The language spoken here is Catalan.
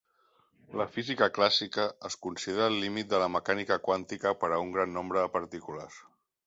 La física clàssica es considera el límit de la mecànica quàntica per a un gran nombre de partícules.